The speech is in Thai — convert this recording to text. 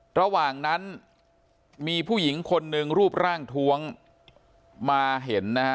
ระหว่างนั้นมีผู้หญิงคนหนึ่งรูปร่างท้วงมาเห็นนะฮะ